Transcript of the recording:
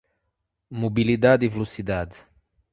Mobilidade e Velocidade